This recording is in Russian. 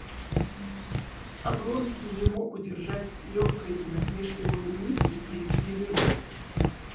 Облонский не мог удержать легкой насмешливой улыбки при виде Левина.